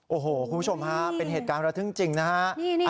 โอ้โหคุณผู้ชมฮะเป็นเหตุการณ์ระทึกจริงนะฮะ